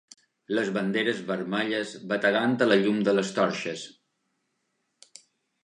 Les banderes vermelles bategant a la llum de les torxes